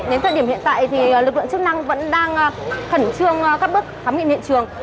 đến thời điểm hiện tại thì lực lượng chức năng vẫn đang khẩn trương các bước khám nghiệm hiện trường